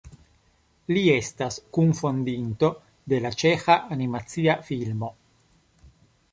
Li estas kunfondinto de la Ĉeĥa Animacia Filmo.